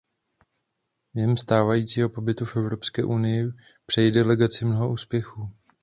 Během stávajícího pobytu v Evropské unii přeji delegaci mnoho úspěchů.